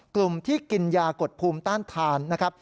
กลุ่มที่กินยากดภูมิต้านทานนะครับ